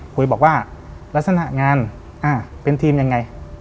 คุยบอกว่าลักษณะงานเป็นทีมยังไง